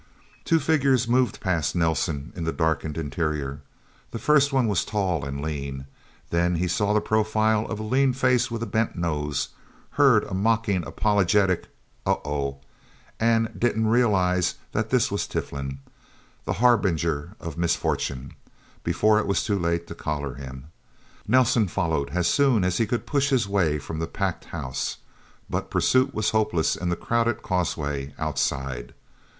Two figures moved past Nelsen in the darkened interior. The first one was tall and lean. Then he saw the profile of a lean face with a bent nose, heard a mockingly apologetic "Oh oh..." and didn't quite realize that this was Tiflin, the harbinger of misfortune, before it was too late to collar him. Nelsen followed as soon as he could push his way from the packed house. But pursuit was hopeless in the crowded causeway outside.